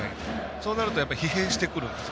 そうなると疲弊してくる。